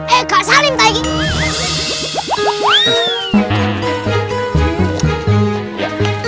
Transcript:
eh kak salim tadi